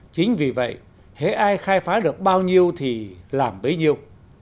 chính vì vậy thế ai khai phá được bao nhiêu thì làm bấy nhiêu